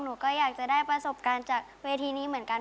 หนูก็อยากจะได้ประสบการณ์จากเวทีนี้เหมือนกัน